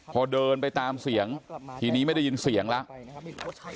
พอเดินไปตามเสียงทีนี้ไม่ได้ยินเสียงแล้ว